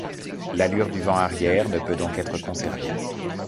L’allure du vent arrière ne peut donc être conservée.